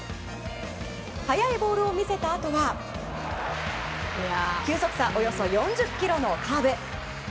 速いボールを見せたあとは球速差およそ４０キロのカーブ。